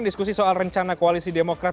diskusi soal rencana koalisi demokrat